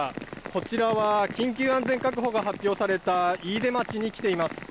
こちらは緊急安全確保が発表された飯豊町に来ています。